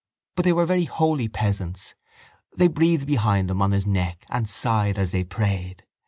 But they were very holy peasants. They breathed behind him on his neck and sighed as they prayed.